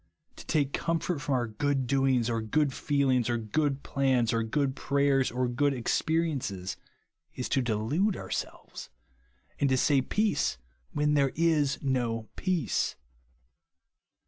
To take comfort from our good doings, or good feelings, or KO GROUND OF rEACV". 21 good plans, or good prayers, or good expe riences, is to delude ourselves, and to say peace wlian there is no peace.